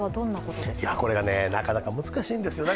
これがなかなか難しいんですよ。